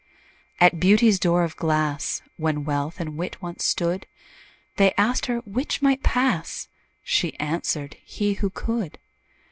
At Beauty's door of glass, When Wealth and Wit once stood, They asked her 'which might pass?" She answered, "he, who could."